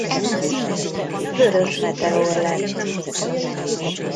Vörös Meteor lett.